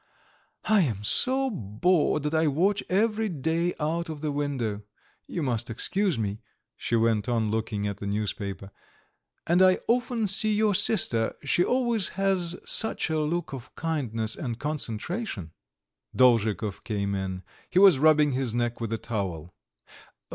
"I am so bored that I watch you every day out of the window; you must excuse me," she went on, looking at the newspaper, "and I often see your sister; she always has such a look of kindness and concentration." Dolzhikov came in. He was rubbing his neck with a towel.